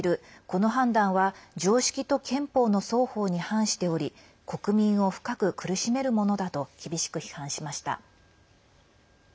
この判断は常識と憲法の双方に反しており国民を深く苦しめるものだと厳しく批判しました。